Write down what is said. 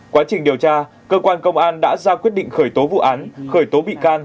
quá trình điều tra cơ quan công an đã ra quyết định khởi tố vụ án